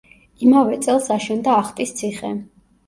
იმავე წელს აშენდა ახტის ციხე.